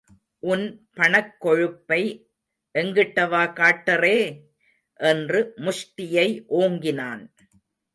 உன் பணக்கொழுப்பை எங்கிட்டவா காட்டறே?... என்று முஷ்டியை ஓங்கினான்.